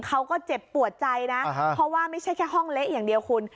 เขาก็เจ็บปวดใจนะเพราะว่าไม่ใช่แค่ห้องเละอย่างเดียวคุณ